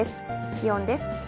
気温です。